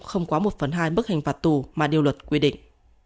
không quá một phần hai bức hình phạt tù mà điều luật quy định